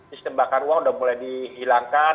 sistem bakar uang sudah mulai dihilangkan